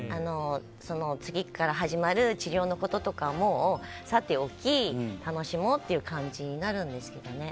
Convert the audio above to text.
次から始まる治療のこととかはもうさておき、楽しもうって感じになるんですけどね。